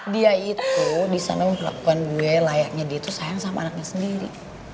dia itu disana memperlakukan gue layaknya dia tuh sayang sama anaknya sendiri